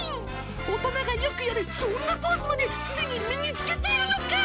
大人がよくやる、そんなポーズまで、すでに身につけているのか！